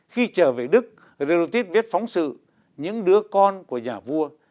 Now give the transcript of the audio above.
khi trở về đức rerotite viết phóng sự những đứa con của nhà vua